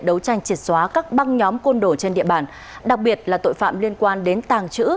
đấu tranh triệt xóa các băng nhóm côn đổ trên địa bàn đặc biệt là tội phạm liên quan đến tàng trữ